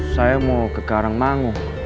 saya mau ke karangmangu